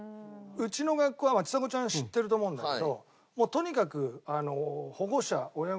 うちの学校はちさ子ちゃん知ってると思うんだけどとにかく。